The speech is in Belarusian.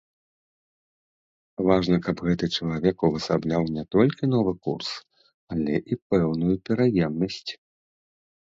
Важна, каб гэты чалавек увасабляў не толькі новы курс, але і пэўную пераемнасць.